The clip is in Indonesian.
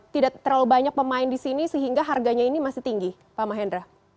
tidak terlalu banyak pemain di sini sehingga harganya ini masih tinggi pak mahendra